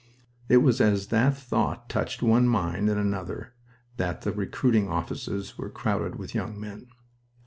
It was as that thought touched one mind and another that the recruiting offices were crowded with young men.